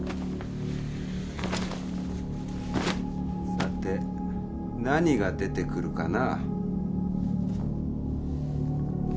さて何が出てくるかな。